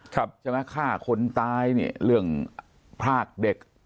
ใช่ไหมฆ่าคนตายเนี่ยเรื่องพรากเด็ก